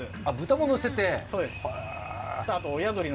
あっ豚ものせて。